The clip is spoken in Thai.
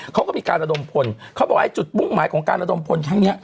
เขาก็มีการระดมพลเขาบอกไอ้จุดมุ่งหมายของการระดมพลครั้งนี้